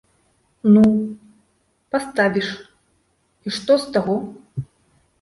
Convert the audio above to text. Ну, паставіш, і што з таго?